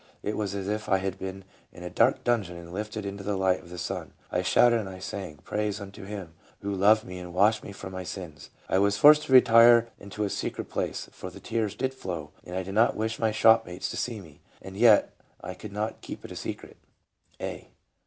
It was as if I had been in a dark dungeon and lifted into the light of the sun. I shouted and I sang praise unto Him who loved me and washed me from my sins. I was forced to retire into a secret place, for the tears did flow, and I did not wish my shopmates to see me, and yet I could not keep it a secret." — A.